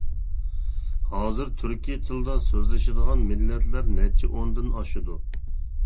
ھازىر تۈركىي تىلدا سۆزلىشىدىغان مىللەتلەر نەچچە ئوندىن ئاشىدۇ.